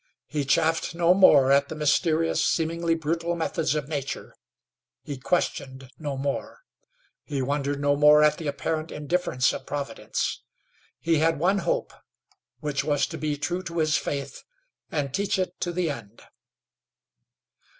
He chaffed no more at the mysterious, seemingly brutal methods of nature; he questioned no more. He wondered no more at the apparent indifference of Providence. He had one hope, which was to be true to his faith, and teach it to the end.